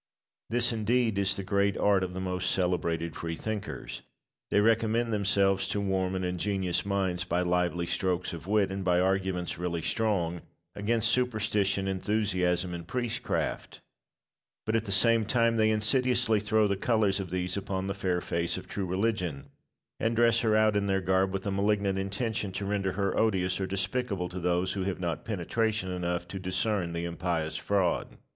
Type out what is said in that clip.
This, indeed, is the great art of the most celebrated freethinkers. They recommend themselves to warm and ingenuous minds by lively strokes of wit, and by arguments really strong, against superstition, enthusiasm, and priestcraft; but at the same time they insidiously throw the colours of these upon the fair face of true religion, and dress her out in their garb, with a malignant intention to render her odious or despicable to those who have not penetration enough to discern the impious fraud.